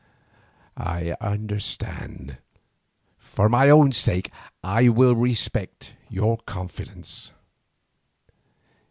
"I understand. For my own sake I will respect your confidence."